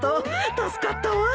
助かったわ。